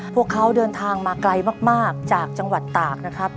พวกเขาเดินทางมาไกลมากจากจังหวัดตากนะครับ